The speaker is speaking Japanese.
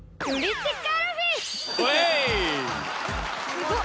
すごっ。